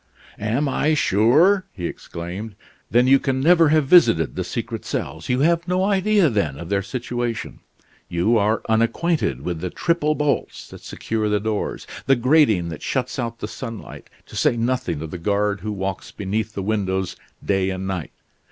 "Am I sure?" he exclaimed. "Then you can never have visited the secret cells. You have no idea, then, of their situation; you are unacquainted with the triple bolts that secure the doors; the grating that shuts out the sunlight, to say nothing of the guard who walks beneath the windows day and night.